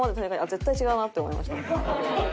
絶対違うなって思いました。